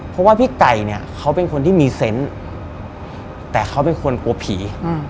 เพราะว่าพี่ไก่เนี่ยเขาเป็นคนที่มีเซนต์แต่เขาเป็นคนกลัวผี